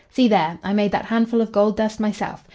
"See there. I made that handful of gold dust myself.